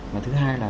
và thứ hai là